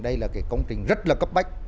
đây là công trình rất cấp bách